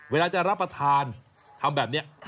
เวลาจะรับประทานทำแบบนี้